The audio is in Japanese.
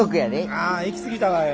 ああ行き過ぎたわい。